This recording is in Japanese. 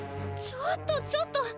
ちょっとちょっと！